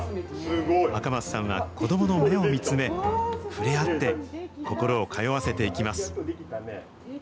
赤松さんは子どもの目を見つめ、触れ合って心を通わせていきます。